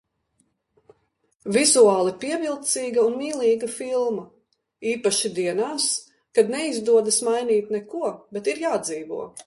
Vizuāli pievilcīga un mīlīga filma. Īpaši dienās, kad neizdodas mainīt neko, bet ir jādzīvo.